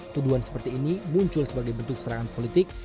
tuduhan seperti ini muncul sebagai bentuk serangan politik